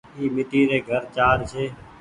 اي ميٽي ري گهر چآر ڇي۔